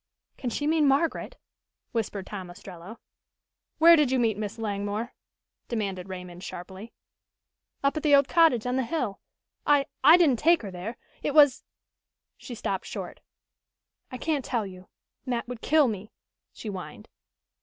"Can she mean Margaret?" whispered Tom Ostrello. "Where did you meet Miss Langmore?" demanded Raymond sharply. "Up at the old cottage on the hill. I I didn't take her there. It was " She stopped short. "I can't tell you. Mat would kill me," she whined.